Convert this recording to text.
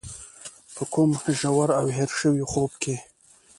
په کوم ژور او هېر شوي خوب کې.